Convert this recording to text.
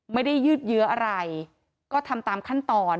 ยืดเยื้ออะไรก็ทำตามขั้นตอน